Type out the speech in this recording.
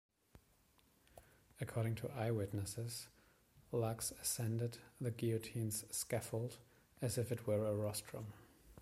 According to eyewitnesses, Lux ascended the guillotine's scaffold, as if it were a rostrum.